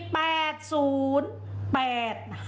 ๔ไป